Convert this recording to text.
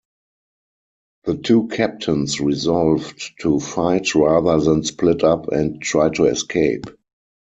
The two captains resolved to fight rather than split up and try to escape.